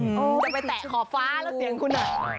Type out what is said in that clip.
จะไปแตะขอบฟ้าแล้วเสียงคุณหน่อย